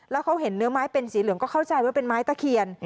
แล้วเขาเห็นเนื้อไม้เป็นสีเหลืองก็เข้าใจว่าเป็นไม้ตะเคียน